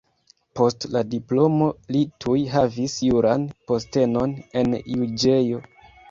Post la diplomo li tuj havis juran postenon en juĝejo.